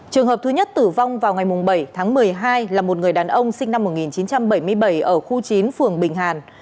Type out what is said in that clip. trường hợp thứ nhất tử vong vào ngày bảy tháng một mươi hai là một người đàn ông sinh năm một nghìn chín trăm bảy mươi bảy ở khu chín phường bình hàn